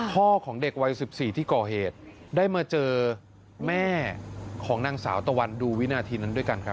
ของเด็กวัย๑๔ที่ก่อเหตุได้มาเจอแม่ของนางสาวตะวันดูวินาทีนั้นด้วยกันครับ